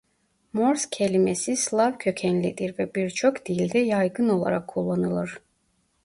Mors kelimesi Slav kökenlidir ve birçok dilde yaygın olarak kullanılır.